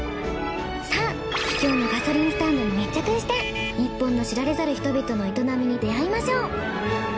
さぁ秘境のガソリンスタンドに密着して日本の知られざる人々の営みに出会いましょう。